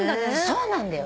そうなんだよ。